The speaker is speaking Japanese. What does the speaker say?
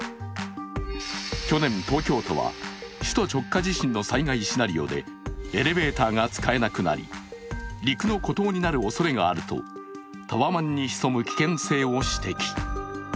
去年、東京都は首都直下地震の災害シナリオでエレベーターが使えなくなり陸の孤島になるおそれがあるとタワマンに潜む危険性を指摘。